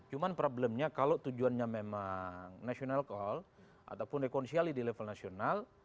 cuma problemnya kalau tujuannya memang national call ataupun rekonsiliasi di level nasional